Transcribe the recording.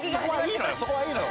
そこはいいのよ